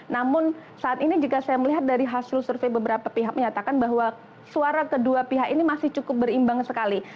namun saat ini jika saya melihat dari hasil survei beberapa pihak menyatakan bahwa suara kedua pihak ini masih cukup berimbang sekali